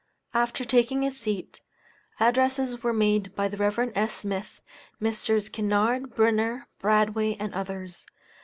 After taking his seat, addresses were made by the Rev. S. Smith, Messrs. Kinnard, Brunner, Bradway, and others.